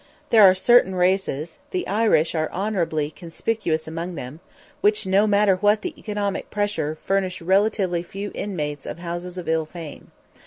There are certain races the Irish are honorably conspicuous among them which, no matter what the economic pressure, furnish relatively few inmates of houses of ill fame.